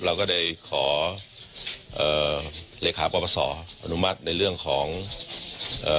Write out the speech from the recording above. เราก็ได้ขอเอ่อเลขาปรปศอนุมัติในเรื่องของเอ่อ